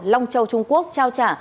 long châu trung quốc trao trả